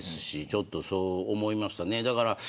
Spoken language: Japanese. ちょっとそう思いましたね。